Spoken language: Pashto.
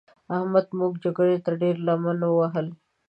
احمد موږ جګړې ته ډېره لمن ووهل.